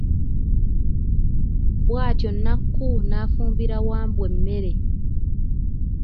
Bw'atyo Nakku n'afumbira Wambwa emmere.